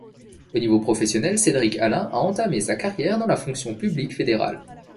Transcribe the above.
Au niveau professionnel, Cédric Halin a entamé sa carrière dans la fonction publique fédérale.